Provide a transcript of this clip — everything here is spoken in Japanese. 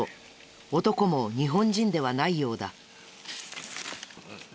男も日本人ではないようだ。